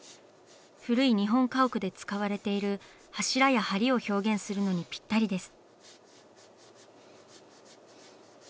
古い日本家屋で使われている柱や梁を表現するのにピッタリです。